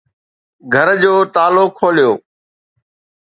گهر جو تالا کوليو